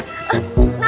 ayo temen pak